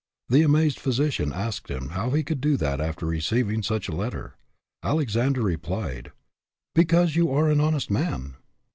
The amazed physician asked him how he could do that after receiving such a letter. Alexander replied, "Because you are an honest man."